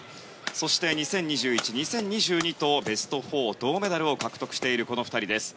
そして２０２１、２０２２とベスト４、銅メダルを獲得している、この２人です。